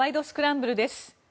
スクランブル」です。